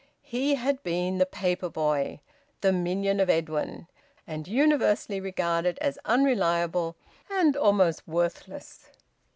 He had been the paper boy, the minion of Edwin, and universally regarded as unreliable and almost worthless.